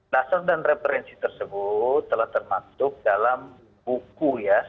dasar dan referensi tersebut telah termasuk dalam buku ya